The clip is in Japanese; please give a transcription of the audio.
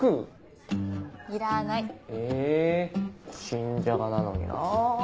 新じゃがなのになぁ。